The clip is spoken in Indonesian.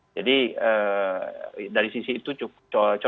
jadi dari sisi itu cukup